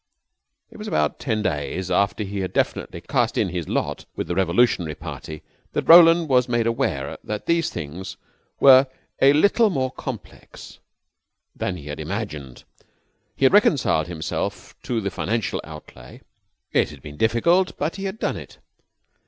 It was about ten days after he had definitely cast in his lot with the revolutionary party that Roland was made aware that these things were a little more complex than he had imagined. He had reconciled himself to the financial outlay. It had been difficult, but he had done it.